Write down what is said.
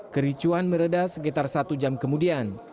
kericuan meredah sekitar satu jam kemudian